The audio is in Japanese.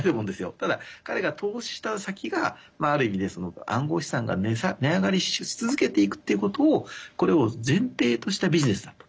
ただ、彼が投資した先がある意味で暗号資産が値上がりし続けていくっていうことをこれを前提としたビジネスだったと。